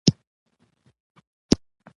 د سيند د اوبو اواز د انسان حواسو ته منتقل شو.